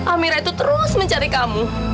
amira itu terus mencari kamu